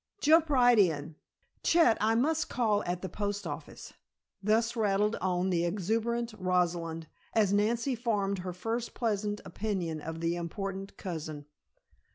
Jump right in. Chet, I must call at the post office." Thus rattled on the exuberant Rosalind, as Nancy formed her first pleasant opinion of the important cousin.